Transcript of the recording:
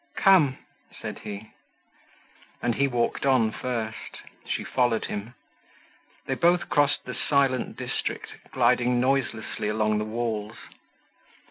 "Come," said he. And he walked on first. She followed him. They both crossed the silent district, gliding noiselessly along the walls.